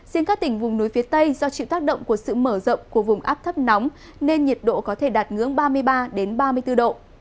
riêng các tỉnh vùng núi phía tây do chịu tác động của sự mở rộng của vùng áp thấp nóng nên nhiệt độ có thể đạt ngưỡng ba mươi ba ba mươi bốn độ